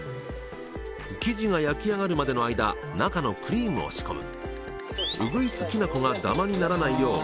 生地が焼き上がるまでの間中のクリームを仕込む。